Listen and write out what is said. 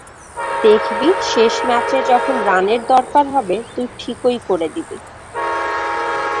দেখবি, শেষ ম্যাচে যখন রানের দরকার হবে, তুই ঠিকই করে দিবি।